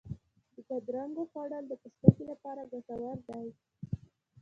د بادرنګو خوړل د پوستکي لپاره ګټور دی.